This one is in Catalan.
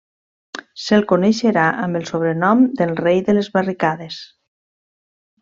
Se'l coneixerà amb el sobrenom del rei de les barricades.